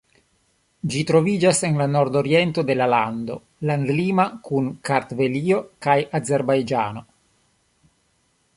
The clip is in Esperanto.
Ĝi troviĝas en la nordoriento de la lando, landlima kun Kartvelio kaj Azerbajĝano.